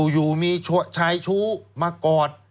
อยู่มีชายชู้มากอด